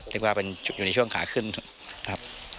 คือว่าอยู่ในช่วงขาขึ้นครับ